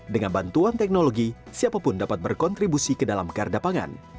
dengan bantuan teknologi siapapun dapat berkontribusi ke dalam garda pangan